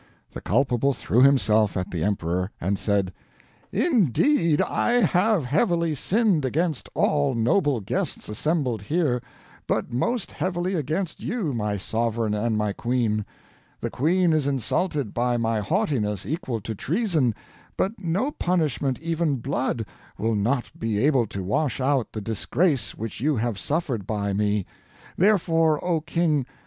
The culpable threw himself at the Emperor, and said "'Indeed I have heavily sinned against all noble guests assembled here, but most heavily against you my sovereign and my queen. The Queen is insulted by my haughtiness equal to treason, but no punishment even blood, will not be able to wash out the disgrace, which you have suffered by me. Therefore oh King!